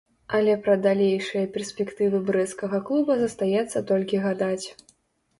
Але пра далейшыя перспектывы брэсцкага клуба застаецца толькі гадаць.